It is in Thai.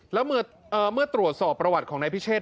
แล้วเมื่อตรวจสอบประวัติของนายพิเชษ